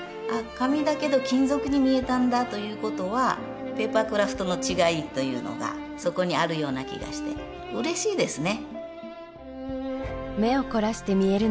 紙だけど金属に見えたんだということはペーパークラフトの違いというのがそこにあるような気がして嬉しいですね